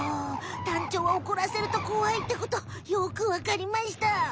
タンチョウはおこらせると怖いってことよくわかりました。